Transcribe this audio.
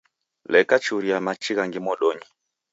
Leka churia machi ghangi modonyi